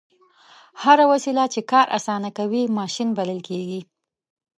هره وسیله چې کار اسانه کوي ماشین بلل کیږي.